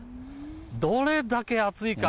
どれだけ暑いか。